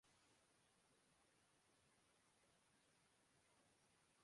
دھڑلے کے آدمی تھے۔